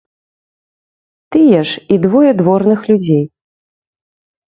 Тыя ж і двое дворных людзей.